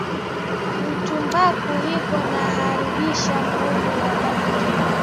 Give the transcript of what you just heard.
Ntumbako iko na aribisha maungu ya bantu